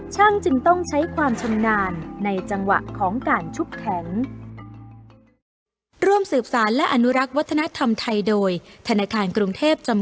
จึงต้องใช้ความชำนาญในจังหวะของการชุบแข็ง